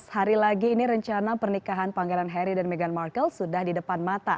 empat belas hari lagi ini rencana pernikahan pangeran harry dan meghan markle sudah di depan mata